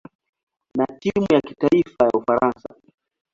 na timu ya kitaifa ya Ufaransa.